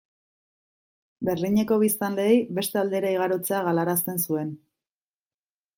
Berlineko biztanleei beste aldera igarotzea galarazten zuen.